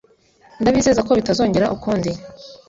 Ndabizeza ko bitazongera ukundi.